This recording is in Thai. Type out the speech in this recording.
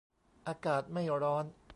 อากาศไม่ร้อน